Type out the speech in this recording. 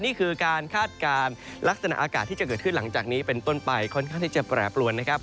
นี่คือการคาดการณ์ลักษณะอากาศที่จะเกิดขึ้นหลังจากนี้เป็นต้นไปค่อนข้างที่จะแปรปรวนนะครับ